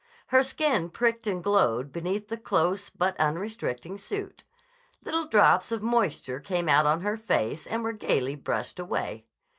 Her skin pricked and glowed beneath the close but unrestricting suit. Little drops of moisture came out on her face and were gayly brushed away.